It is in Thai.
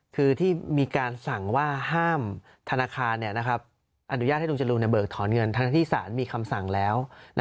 คือที่มีการสั่งว่าห้ามธนาคารอนุญาตให้ลุงจรูนเบิกถอนเงินทั้งที่สารมีคำสั่งแล้ว